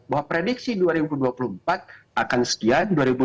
bahwa prediksi dua ribu dua puluh empat akan sekian